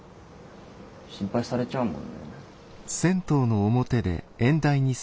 心配されちゃうもんね。